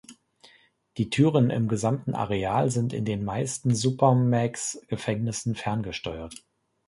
Die Türen im gesamten Areal sind in den meisten Supermax-Gefängnissen ferngesteuert.